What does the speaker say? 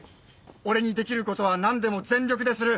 俺にできることは何でも全力でする！